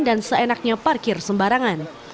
dan seenaknya parkir sembarangan